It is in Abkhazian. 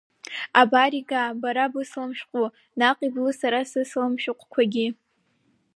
Абар, ига бара бысалам шәҟәқәа, наҟ иблы сара сысалам шәҟәқәагьы.